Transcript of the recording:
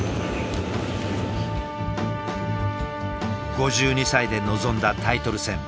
５２歳で臨んだタイトル戦。